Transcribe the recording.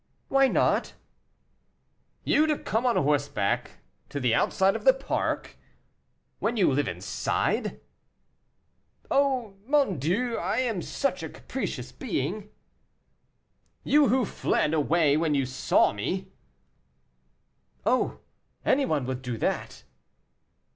"Why not?" "You to come on horseback to the outside of the park, when you live inside!" "Oh, mon Dieu! I am such a capricious being." "You, who fled away when you saw me!" "Oh! any one would do that."